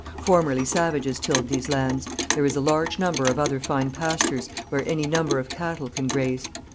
Formerly savages tilled these lands.... There is a large number of other fine pastures, where any number of cattle can graze....